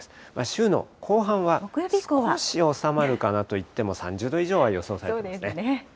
週の後半は少し収まるかなといっても、３０度以上は予想されてますね。